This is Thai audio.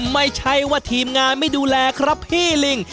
ไม่ใช่ว่าทีมงานไม่ดูแลครับพี่ลิง